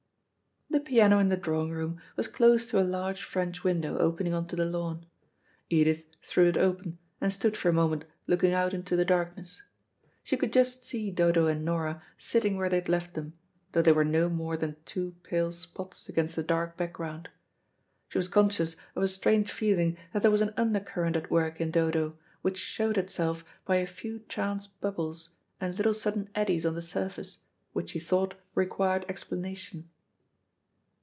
The piano in the drawing room was close to a large French window opening on to the lawn. Edith threw it open, and stood for a moment looking out into the darkness. She could just see Dodo and Nora sitting where they had left them, though they were no more than two pale spots against the dark background. She was conscious of a strange feeling that there was an undercurrent at work in Dodo, which showed itself by a few chance bubbles and little sudden eddies on the surface, which she thought required explanation.